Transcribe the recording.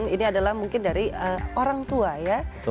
ini adalah mungkin dari orang tua ya